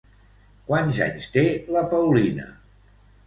Quants anys té la Paulina?